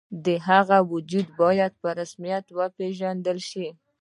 د هغه وجود باید په رسمیت وپېژندل شي.